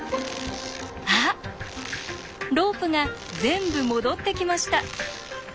あっロープが全部戻ってきました。